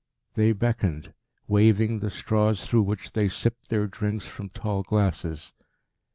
They beckoned, waving the straws through which they sipped their drinks from tall glasses.